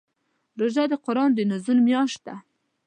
روژه د قران د نزول میاشت ده.